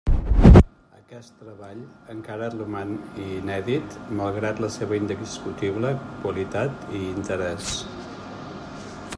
Aquest treball encara roman inèdit malgrat la seva indiscutible qualitat i interès.